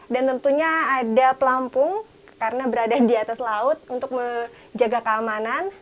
tentunya ada pelampung karena berada di atas laut untuk menjaga keamanan